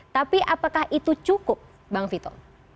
tapi apakah itu cukup bang vito